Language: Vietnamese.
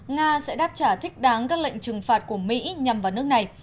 nga sẽ đáp trả thích đáng các lệnh trừng phạt của mỹ nhằm vào nước này